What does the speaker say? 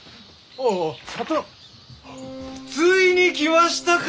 あっついに来ましたか！